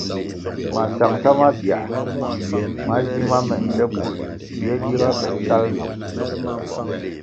Masangʼsa mabia ma zima me nte bvul yè giga be sal nakugu.